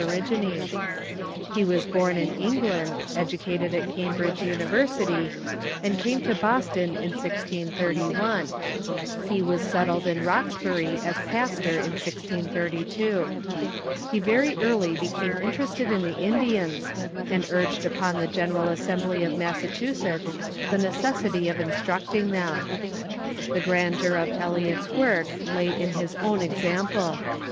_ rigines. He was born in Encfland, educated in Cam John Eliot ^^^^.. T> bridge University, and came to Boston in 1031. He was settled in Roxbury as pastor in 1632. He very early be came interested in the Indians, and urged upon the General Assembly of Massachusetts the necessity of instructing them. The grandeur of Eliot's work lay in his own example.